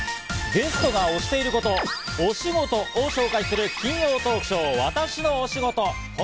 ゲストが推していること、推しゴトを紹介する金曜トークショー、わたしの推しゴト。